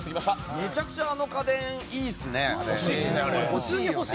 めちゃくちゃあの家電いいですね。